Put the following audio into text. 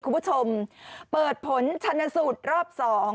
คุณผู้ชมเปิดผลชนสูตรรอบ๒